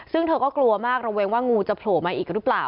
ซึ่งเธอก็กลัวมากระเวงว่างูจะโผล่มาอีกหรือเปล่า